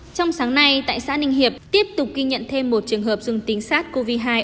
trong sáng nay tại xã ninh hiệp tiếp tục ghi nhận thêm một trường hợp dùng tính sát covid hai